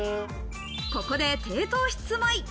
ここで低糖質米。